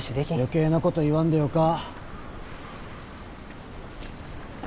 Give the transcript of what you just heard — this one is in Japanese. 余計なこと言わんでよか。